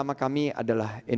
putih itu adalah susu